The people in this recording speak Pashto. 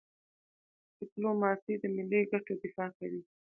ډيپلوماسي د ملي ګټو دفاع کوي.